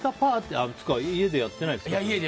家でやってないです。